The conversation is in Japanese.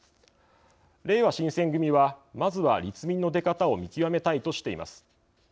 れいわ新選組はまずは立民の出方を見極めたいとしています。